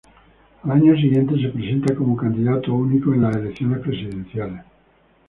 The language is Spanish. Al año siguiente se presenta como candidato único en las elecciones presidenciales.